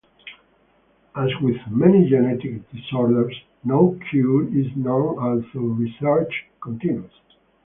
As with many genetic disorders, no cure is known, although research continues.